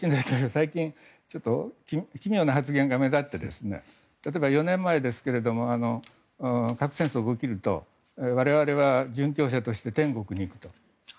最近、ちょっと奇妙な発言が目立って例えば、４年前ですが核戦争が起きると我々は殉教者として天国に行くと。